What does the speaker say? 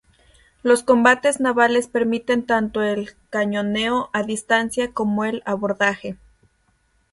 Los combates navales permiten tanto el cañoneo a distancia como el abordaje.